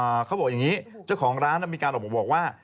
ใช่เขาบอกว่าอย่างนี้เจ้าของร้านมีการบอกว่า